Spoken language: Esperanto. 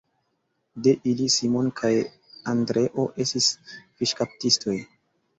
De ili Simon kaj Andreo estis fiŝkaptistoj.